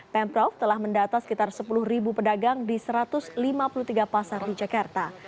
pemprov telah mendata sekitar sepuluh pedagang di satu ratus lima puluh tiga pasar di jakarta